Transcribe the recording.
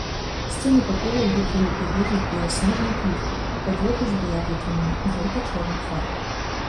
Сцены пакояў выклалі прыгожай беласнежнай пліткай, падлога ж была вытрымана ў жоўта-чорных фарбах.